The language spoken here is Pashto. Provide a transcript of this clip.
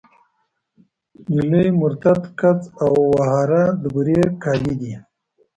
ډيلی، مرتت، کڅ او وهاره د بوري کلي دي.